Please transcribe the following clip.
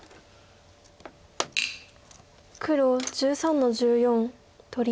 黒１３の十四取り。